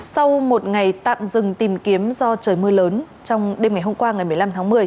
sau một ngày tạm dừng tìm kiếm do trời mưa lớn trong đêm ngày hôm qua ngày một mươi năm tháng một mươi